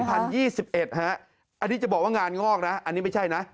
อันนี้จะบอกว่างานงอกนะอันนี้ไม่ใช่นะ